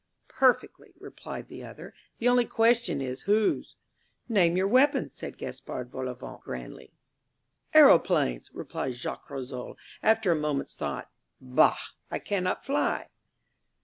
"Perfectly," replied the other. "The only question is whose." "Name your weapons," said Gaspard Volauvent grandly. "Aeroplanes," replied Jacques Rissole after a moment's thought. "Bah! I cannot fly."